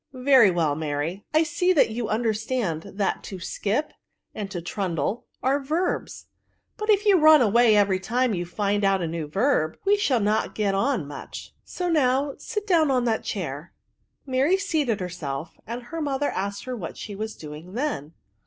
Very well, Mary ; I see that you under stand, that to skip, and to trundle, are verbs ; but if you run away every time you find out a new verb, we shall not get on much ; so now sit down on that chair." Mary seated herself, and her mother asked her what she was doing then.